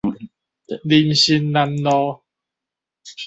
林森南路